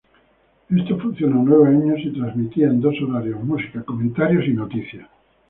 Esto funcionó nueve años y transmitía en dos horarios música, comentarios y noticias.